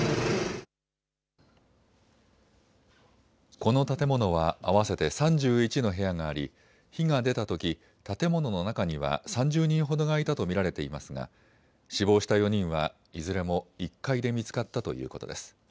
この建物は合わせて３１の部屋があり、火が出たとき建物の中には３０人ほどがいたと見られていますが死亡した４人はいずれも１階で見つかったということです。